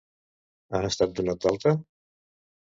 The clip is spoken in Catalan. Ha estat donat d'alta?